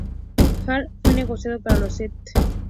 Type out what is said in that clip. Hall fue negociado para los St.